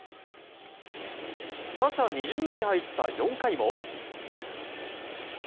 打者２巡目に入った４回も。